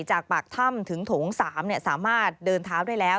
จากปากถ้ำถึงโถง๓สามารถเดินเท้าได้แล้ว